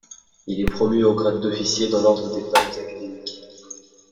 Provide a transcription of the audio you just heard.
Il est promu au grade d'officier dans l'ordre des Palmes Académiques.